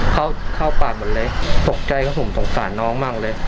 เข้าเข้าปากหมดเลยตกใจครับผมสงสารน้องมากเลย